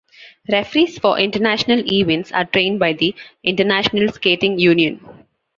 Referees for international events are trained by the International Skating Union.